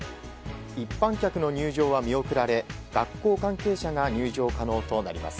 一般客の入場は見送られ学校関係者が入場可能となります。